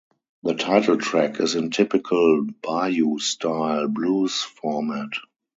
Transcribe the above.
The title track is in typical Bayou-style blues format.